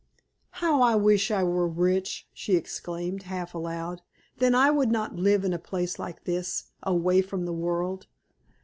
"How I wish I were rich!" she exclaimed, half aloud; "then I would not live in a place like this, away from the world.